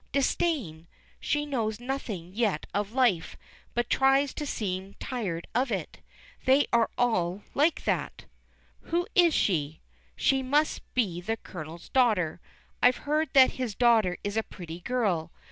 Disdain! she knows nothing yet of life, but tries to seem tired of it. They are all like that. Who is she? She must be the Colonel's daughter; I've heard that his daughter is a pretty girl.